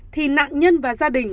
thì nạn nhân và gia đình